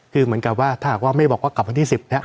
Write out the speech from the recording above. คือเหมือนกับว่าถ้าไม่บอกว่ากลับวันที่๑๐